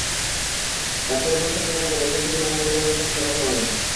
ডাক্তারি পরীক্ষার জন্য তাঁকে বরিশাল শের-ই-বাংলা মেডিকেল কলেজ হাসপাতালে পাঠানো হয়েছে।